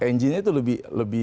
ng nya itu lebih